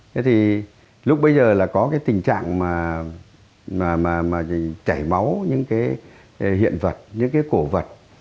thế thì lúc bây giờ là có cái tình trạng mà chảy máu những cái hiện vật những cái cổ vật